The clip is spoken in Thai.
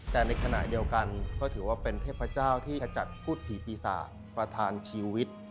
แต่ในขณะเดียวกันก็ถือว่าเป็นเทพเจ้าที่ขจัดพูดผีปีศาจประธานชีวิต